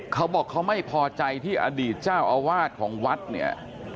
เขาบอกเขาไม่พอใจที่อดีตเจ้าอาวาสของวัดเนี่ย